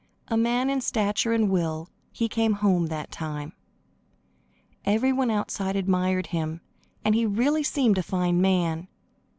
A man in stature and will he came home that time. Every one outside admired him, and he really seemed a fine man.